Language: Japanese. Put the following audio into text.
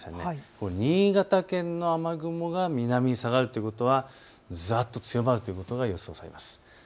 この新潟県の雨雲が南に下がるということはざっと降るということが予想されています。